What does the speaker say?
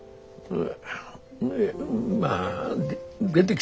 うん。